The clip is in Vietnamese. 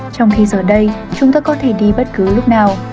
trong khi giờ đây chúng ta có thể đi bất cứ lúc nào